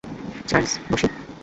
Charles, বসি?